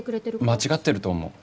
間違ってると思う。